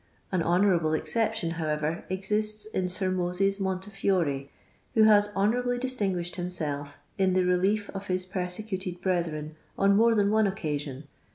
An honour able exception, however, existe in Sir Moses Honte fiore, who has honourably distinguished himself in the relief of his persecuted brethren on more than one occasion.